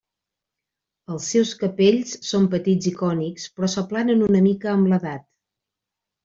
Els seus capells són petits i cònics però s'aplanen una mica amb l'edat.